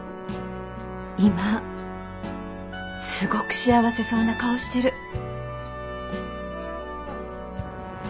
今すごく幸せそうな顔してる。